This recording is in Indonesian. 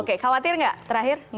oke khawatir nggak terakhir